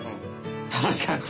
楽しかった。